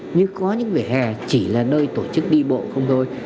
nhưng có những vỉa hè chỉ là nơi tổ chức đi bộ không thôi